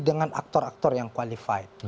dengan aktor aktor yang qualified